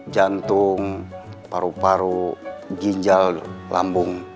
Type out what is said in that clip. jantung paru paru ginjal lambung